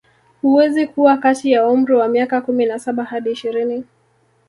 Huweza kuwa kati ya umri wa miaka kumi na saba hadi ishirini